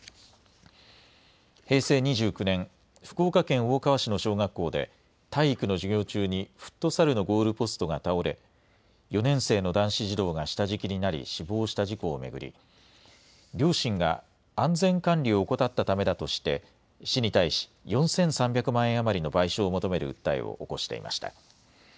平成２９年、福岡県大川市の小学校で体育の授業中にフットサルのゴールポストが倒れ４年生の男子児童が下敷きになり死亡した事故を巡り両親が安全管理を怠ったためだとして市に対し４３００万円余りの賠償を求める訴えを起こしていました。